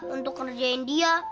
untuk kerjain dia